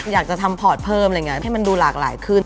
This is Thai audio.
อยากจะทำพอร์ตเพิ่มให้มันดูหลากหลายขึ้น